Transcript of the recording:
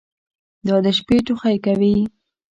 ایا د شپې ټوخی کوئ؟